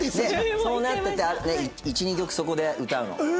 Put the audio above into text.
そうなってて１２曲そこで歌うの。え！